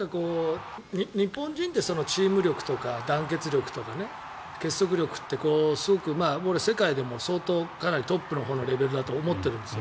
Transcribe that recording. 日本人ってチーム力とか団結力とか結束力ってすごく世界でもかなりトップのレベルだと思ってるんです。